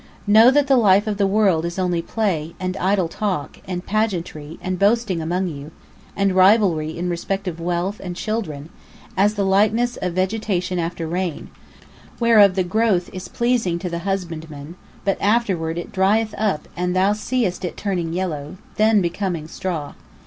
P: Know that the life of the world is only play, and idle talk, and pageantry, and boasting among you, and rivalry in respect of wealth and children; as the likeness of vegetation after rain, whereof the growth is pleasing to the husbandman, but afterward it drieth up and thou seest it turning yellow, then it becometh straw.